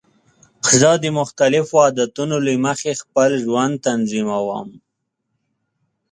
زه د مختلفو عادتونو له مخې خپل ژوند تنظیم کوم.